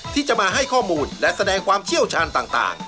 ที่จะมาให้ข้อมูลและแสดงความเชี่ยวชาญต่าง